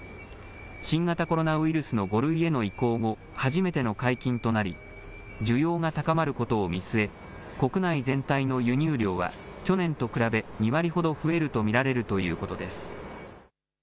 新型コロナウイルスの５類への移行後、初めての解禁となり、需要が高まることを見据え、国内全体の輸入量は、去年と比べ、２割ほど増えると見られるということです。